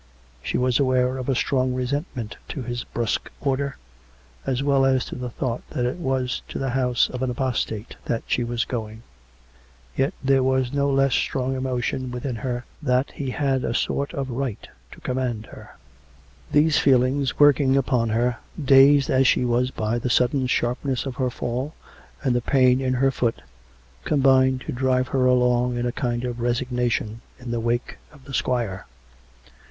She was aware of a strong resentment to his brusque order, as well as to the thought that it was to the house of an apostate that she was going; yet there was a no less strong emotion within her that he had a sort of right to command her. These feelings, working upon her, dazed as she was by the sudden sharpness of her fall, and the pain in her foot, combined to drive her along in a kind of resignation in the wake of the squire.